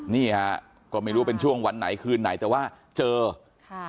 นี่ฮะก็ไม่รู้ว่าเป็นช่วงวันไหนคืนไหนแต่ว่าเจอค่ะ